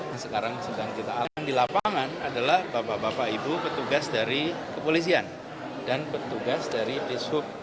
yang sekarang sedang kita alami di lapangan adalah bapak bapak ibu petugas dari kepolisian dan petugas dari dishub